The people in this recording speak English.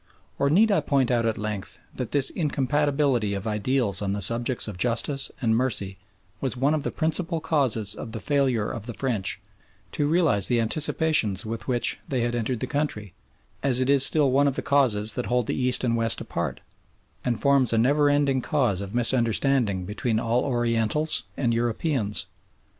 Or need I point out at length that this incompatibility of ideals on the subjects of justice and mercy was one of the principal causes of the failure of the French to realise the anticipations with which they had entered the country, as it is still one of the causes that hold the East and West apart, and forms a never resting cause of misunderstanding between all Orientals and Europeans.